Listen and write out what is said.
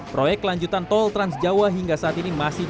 proyek lanjutan tol transjawa hingga saat ini masih berjalan